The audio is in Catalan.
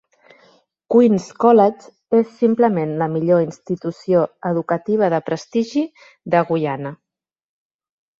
Queen's College és simplement la millor institució educativa de prestigi de Guyana.